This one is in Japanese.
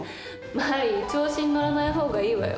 マリー調子に乗らない方がいいわよ。